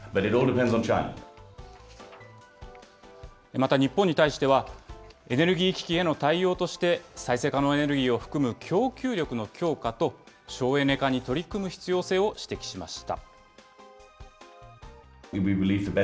また日本に対しては、エネルギー危機への対応として、再生可能エネルギーを含む供給力の強化と省エネ化に取り組む必要性を指摘しました。